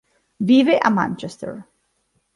Vive a Manchester.